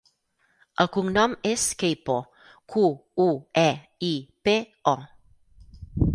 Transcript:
El cognom és Queipo: cu, u, e, i, pe, o.